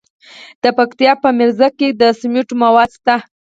د پکتیا په میرزکه کې د سمنټو مواد شته.